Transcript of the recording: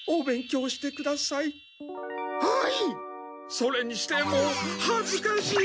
それにしてもはずかしい！